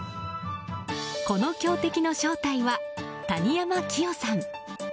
この強敵の正体は谷山季代さん。